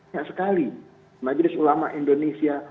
ya sekali majelis ulama indonesia